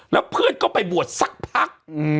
แล้วเพื่อนก็ไปบวชสักพัก